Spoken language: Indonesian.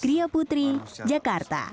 griya putri jakarta